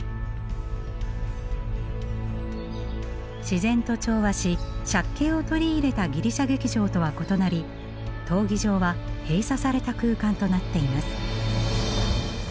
自然と調和し借景を取り入れたギリシャ劇場とは異なり闘技場は閉鎖された空間となっています。